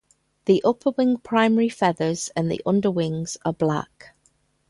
The upperwing primary feathers and the underwings are black.